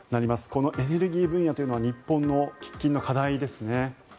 このエネルギー分野というのは日本の喫緊の課題ですね。